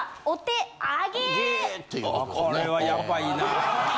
これはヤバいな。